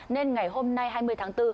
nên ngày hôm nay hai mươi tháng bốn